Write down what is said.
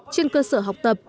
trên cơ sở học tập